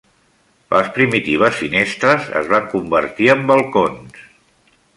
Les primitives finestres es van convertir en balcons.